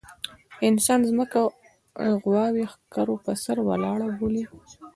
انسان ځمکه غوايي ښکرو پر سر ولاړه بولي.